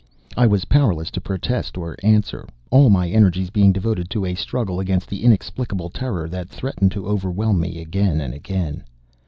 I was powerless to protest or answer; all my energies being devoted to a struggle against the inexplicable terror that threatened to overwhelm me again and again.